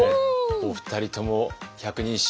お二人とも百人一首